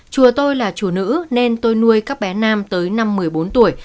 chùa tôi là chủ nữ nên tôi nuôi các bé nam tới năm một mươi bốn tuổi